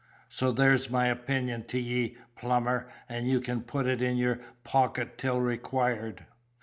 So there's my opinion to ye, plumber, and you can put it in your pockut till required."